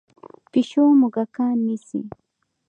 پیشو موږکان نیسي.